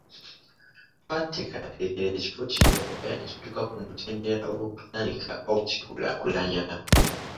Twateekateekera ekifo kino era ne kituuka ku mutendera ogwokutandika okukikulaakulanya.